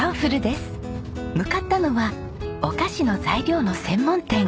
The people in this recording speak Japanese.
向かったのはお菓子の材料の専門店。